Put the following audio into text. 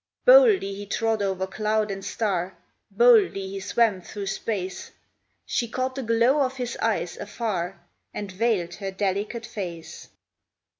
Boldly he trod over cloud and star, Boldly he swam through space, She caught the glow of his eyes afar And veiled her delicate face.